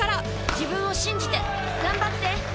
自分を信じて頑張って！